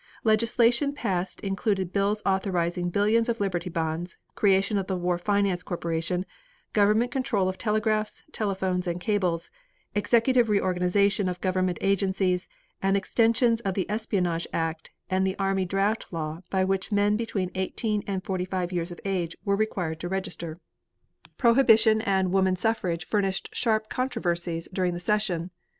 Legislation passed included bills authorizing billions of Liberty bonds; creation of the War Finance Corporation; government control of telegraphs, telephones and cables; executive reorganization of government agencies, and extensions of the espionage act and the army draft law by which men between eighteen and forty five years of age were required to register. Prohibition and woman suffrage furnished sharp controversies throughout the session.